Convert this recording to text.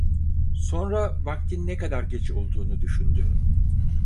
Sonra vaktin ne kadar geç olduğunu düşündü.